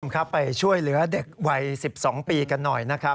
ครับไปช่วยเหลือเด็กวัย๑๒ปีกันหน่อยนะครับ